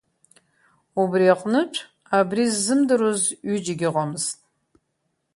Убри аҟынтә, абри ззымдыруаз ҩыџьагьы ыҟамызт.